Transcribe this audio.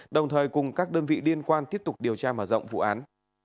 đồng thời cùng các đơn vị liên quan tiếp tục điều tra mở rộng vụ án